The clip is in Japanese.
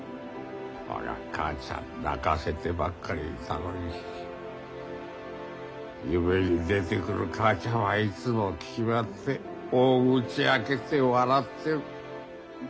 俺は母ちゃん泣かせてばっかりいたのに夢に出てくる母ちゃんはいつも決まって大口開けて笑ってる。